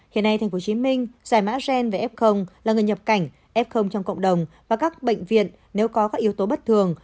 hiện nay tp hcm giải mã gen về f là người nhập cảnh f trong cộng đồng và các bệnh viện nếu có các yếu tố bất thường